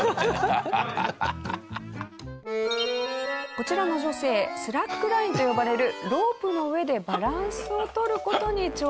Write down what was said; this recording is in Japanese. こちらの女性スラックラインと呼ばれるロープの上でバランスを取る事に挑戦。